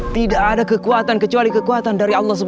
tidak ada kekuatan kecuali kekuatan dari allah swt